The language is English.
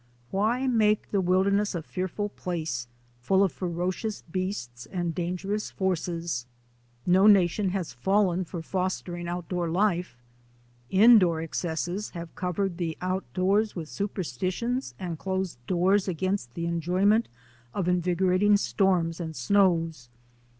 Why make the wilderness a fearful place, full of ferocious beasts and dangerous forces? No na tion has fallen for fostering outdoor life. Indoor excesses have covered the outdoors with supersti tions and closed doors against the enjoyment of invigorating storms and snows.